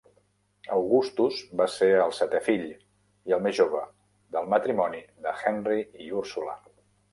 Augustus va ser el setè fill, i el més jove, del matrimoni de Henry i Ursula.